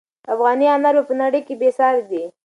افغاني انار په نړۍ کې بې ساري دي.